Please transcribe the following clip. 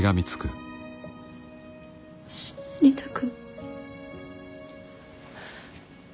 死にたく。